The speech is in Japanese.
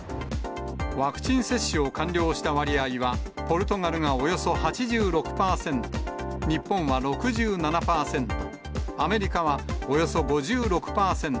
ワクチン接種を完了した割合は、ポルトガルがおよそ８６％、日本は６７％、アメリカはおよそ５６％。